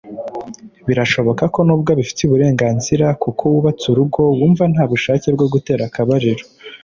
Birashoboka ko n’ubwo ubifitiye uburenganzira kuko wubatse urugo wumva nta bushake bwo gutera akabariro